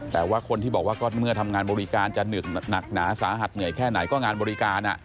แต่ว่าคนที่บอกว่าก็เมื่อทำงานบริการจะหนักหนาสาหัสเหนื่อยแค่ไหนก็งานบริการ